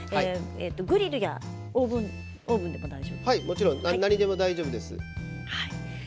グリルやオーブンでももちろん何でも大丈夫です。